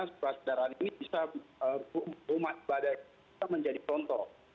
karena sebuah daerah ini bisa umat ibadah kita menjadi contoh